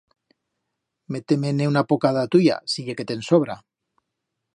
Mete-me-ne una poca d'a tuya, si ye que te'n sobra.